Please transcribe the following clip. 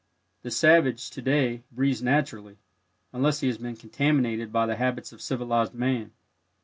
The savage, to day, breathes naturally, unless he has been contaminated by the habits of civilized man.